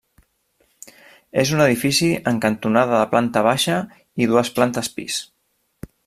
És un edifici en cantonada de planta baixa i dues plantes pis.